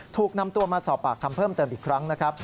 ถูกนำตัวมาสอบปากคำเพิ่มเติมอีกครั้งนะครับ